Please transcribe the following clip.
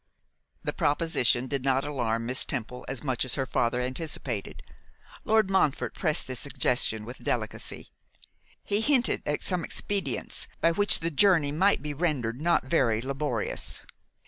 The proposition did not alarm Miss Temple as much as her father anticipated. Lord Montfort pressed the suggestion with delicacy; he hinted at some expedients by which the journey might be rendered not very laborious.